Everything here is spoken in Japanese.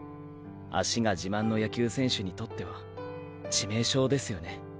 足が自慢の野球選手にとっては致命傷ですよね。